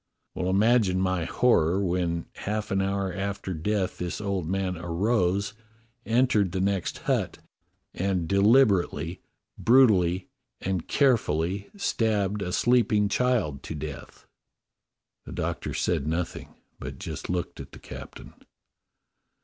Well, imagine my horror when half an hour after death this old man arose, entered the next hut, and deliberately, brutally, and carefully stabbed a sleeping child to death." The Doctor said nothing, but just looked at the captain.